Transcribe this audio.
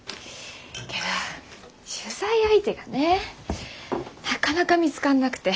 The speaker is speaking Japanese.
けど取材相手がねなかなか見つかんなくて。